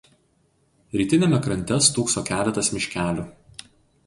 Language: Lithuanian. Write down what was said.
Rytiniame krante stūkso keletas miškelių.